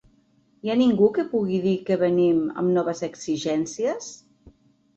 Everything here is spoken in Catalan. Hi ha ningú que pugui dir que venim amb noves exigències?